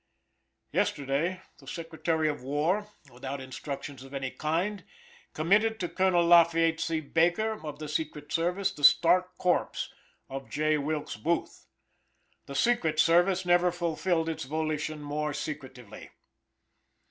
Yesterday the Secretary of War, without instructions of any kind, committed to Colonel Lafayette C. Baker, of the secret service, the stark corpse of J. Wilkes Booth. The secret service never fulfilled its volition more secretively.